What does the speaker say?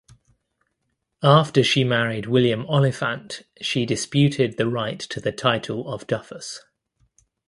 After she married William Oliphant she disputed the right to the title of Duffus.